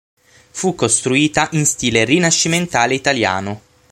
Fu costruita in stile rinascimentale italiano.